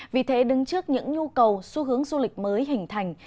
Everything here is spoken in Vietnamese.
vì thế đứng trước những nhu cầu xu hướng du lịch mới hình thành